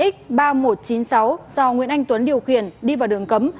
do nguyễn anh tuấn điều khiển đi vào đường cấm